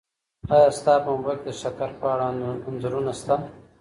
ایا ستا په موبایل کي د شکر په اړه انځورونه سته؟